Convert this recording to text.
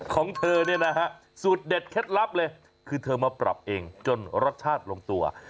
คือเธอมาปรับเองจนรสชาติลงตัว